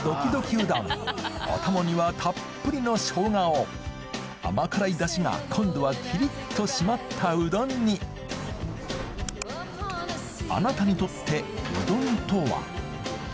うどんお供にはたっぷりの生姜を甘辛いダシが今度はキリッと締まったうどんにあなたにとってうどんとは？